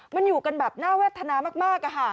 มันอยู่กันแบบน่าวัฒนามากอะค่ะ